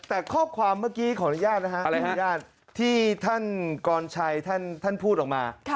แต่ข้อความเมื่อกี้ของอริญญาณนะครับที่ท่านกรณ์ชัยท่านพูดออกมา